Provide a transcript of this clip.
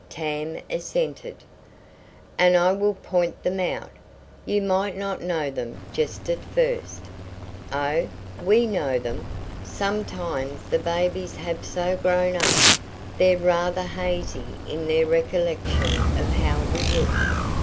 Tam assented. "And I will point them out. You might not know them just at first." "Oh, we know them. Sometimes the babies have so grown up they're rather hazy in their recollection of how we look.